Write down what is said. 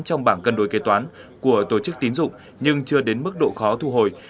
trong bảng cân đối kế toán của tổ chức tín dụng nhưng chưa đến mức độ khó thu hồi